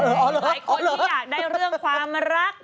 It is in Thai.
หลายคนก็อยากได้เรื่องความรัก